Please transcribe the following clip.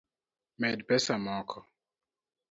Med pesa moko